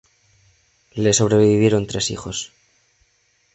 Le sobrevivieron tres hijos.